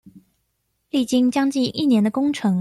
歷經將近一年的工程